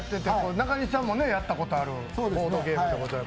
中西さんもやったことがあるボードゲームです。